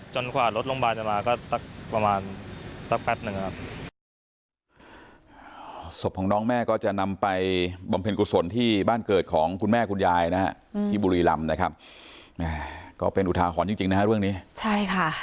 จนกว่ารถโรงพยาบาลธรรมศาสตร์จะมาก็ประมาณสักแป๊บหนึ่งครับ